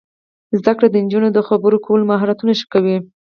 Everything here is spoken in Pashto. زده کړه د نجونو د خبرو کولو مهارتونه ښه کوي.